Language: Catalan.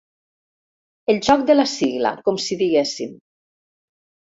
El joc de la sigla, com si diguéssim.